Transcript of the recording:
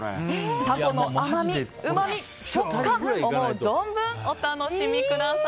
タコの甘み、うまみ、食感思う存分お楽しみください。